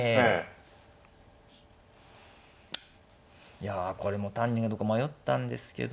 いやこれも単に逃げるか迷ったんですけど。